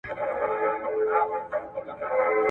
پوهانو تل هڅه کړې ده چی د پرمختګ خنډونه لرې کړي.